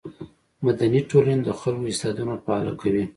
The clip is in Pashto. مدني ټولنې د خلکو استعدادونه فعاله کوي.